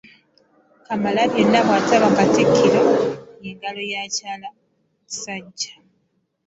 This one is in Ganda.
Kamalabyonna bw’ataba katikkiro ye ngalo ya kyalakisajja.